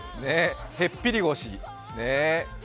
へっぴり腰。